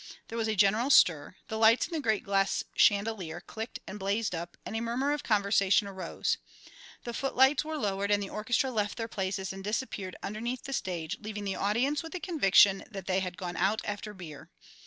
There was a general stir; the lights in the great glass chandelier clicked and blazed up, and a murmur of conversation arose. The footlights were lowered and the orchestra left their places and disappeared underneath the stage, leaving the audience with the conviction that they had gone out after beer.